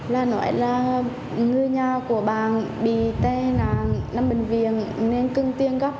là nói là người nhà của bà bị tên nằm bệnh viện nên cưng tiền gấp